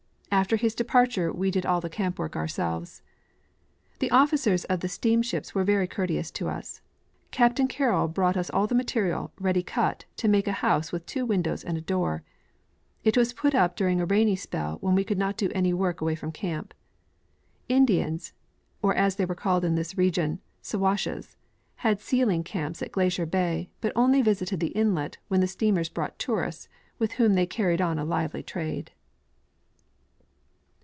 After his departure we did all the camp work ourselves. The officers of the steamships were very courteous to us. Cajj tain Carroll brought us all the material, ready cut, to make a house with two windows and a door. It was put up during a rain}' spell, when we could not do any work away from camp. Indians, or as they are called in this region " Siwashes," had sealing camps in Glacier bay, but only visited the inlet when the steamers brought tourists, with whom they carried on a. lively trade.